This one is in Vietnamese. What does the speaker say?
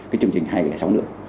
cái chương trình hai trăm linh sáu nữa